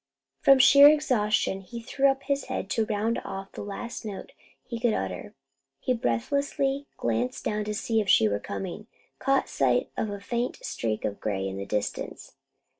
From sheer exhaustion, he threw up his head to round off the last note he could utter, and breathlessly glancing down to see if she were coming, caught sight of a faint streak of gray in the distance.